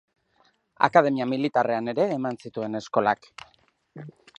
Akademia militarrean ere eman zituen eskolak.